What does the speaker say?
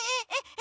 え？